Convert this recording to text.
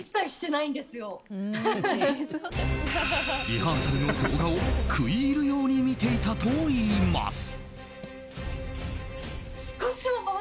リハーサルの動画を食い入るように見ていたといいます。